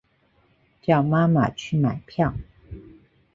叫妈妈去买票